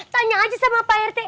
tanya aja sama pak rt